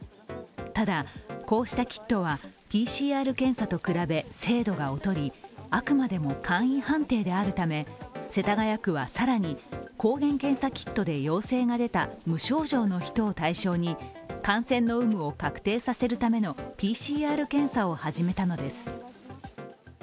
ただ、こうしたキットはＰＣＲ検査と比べ精度が劣り、あくまでも簡易判定であるため世田谷区は更に抗原検査キットで陽性が出た無症状の人を対象に感染の有無を確定させるためのＰＣＲ検査を始めたのです。